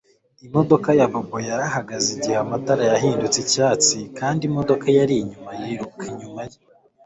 Imodoka ya Bobo yarahagaze igihe amatara yahindutse icyatsi kandi imodoka yari inyuma yiruka inyuma ye